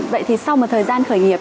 vậy thì sau một thời gian khởi nghiệp